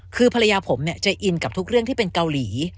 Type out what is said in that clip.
คือภรรยาผมจะอินกับทุกเรื่องที่เป็นเกาหลี